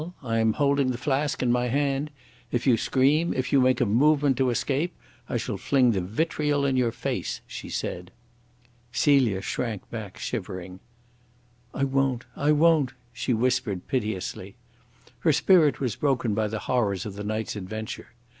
I am holding the flask in my hand. If you scream, if you make a movement to escape, I shall fling the vitriol in your face," she said. Celia shrank back, shivering. "I won't! I won't!" she whispered piteously. Her spirit was broken by the horrors of the night's adventure.